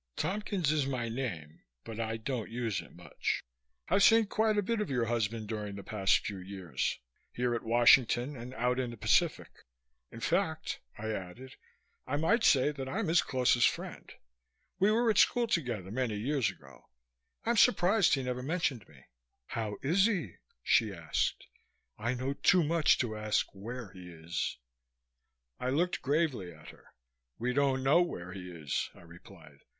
Tompkins is my name but I don't use it much. I've seen quite a bit of your husband during the past few years here at Washington and out in the Pacific. In fact," I added, "I might say that I'm his closest friend. We were at school together, many years ago. I'm surprised he never mentioned me." "How is he?" she asked. "I know too much to ask where he is." I looked gravely at her. "We don't know where he is," I replied.